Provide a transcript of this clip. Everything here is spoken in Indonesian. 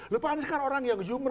lepas sekarang orang yang human